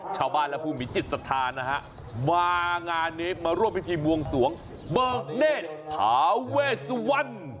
ชาวบ้านและผู้มีจิตศรัทธานะฮะมางานนี้มาร่วมพิธีบวงสวงเบิกเนธถาเวสวรรณ